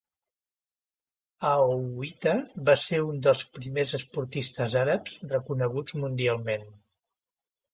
Aouita va ser un dels primers esportistes àrabs reconeguts mundialment.